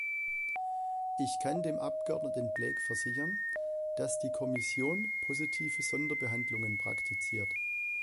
Ich kann dem Abgeordneten Blak versichern, dass die Kommission positive Sonderbehandlung praktiziert.